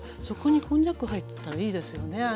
そこにこんにゃく入ってたらいいですよね。